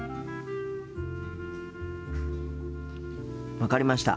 分かりました。